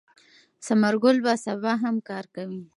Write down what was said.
ثمر ګل به سبا هم کار کوي.